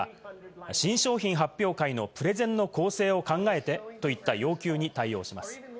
いった質問のほか、新商品発表会のプレゼンの構成を考えてといった要求に対応します。